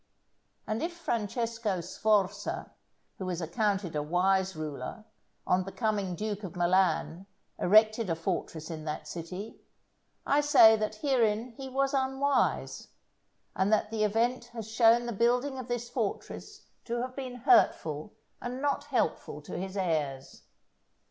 And if Francesco Sforza, who was accounted a wise ruler, on becoming Duke of Milan erected a fortress in that city, I say that herein he was unwise, and that the event has shown the building of this fortress to have been hurtful and not helpful to his heirs.